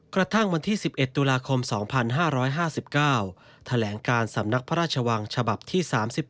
กระทั่งวันที่๑๑ตุลาคม๒๕๕๙แถลงการสำนักพระราชวังฉบับที่๓๑